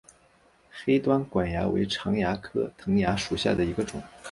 黑端管蚜为常蚜科藤蚜属下的一个种。